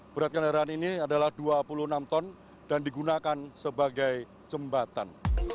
berat kendaraan ini adalah dua puluh enam ton dan digunakan sebagai jembatan